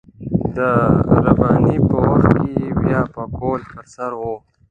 د رباني په وخت کې يې بيا پکول پر سر و.